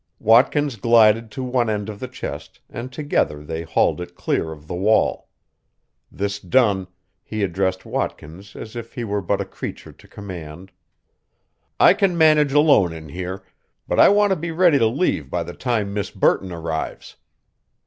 Watkins glided to one end of the chest and together they hauled it clear of the wall. This done, he addressed Watkins as if he were but a creature to command: "I can manage alone in here, but I want to be ready to leave by the time Miss Burton arrives.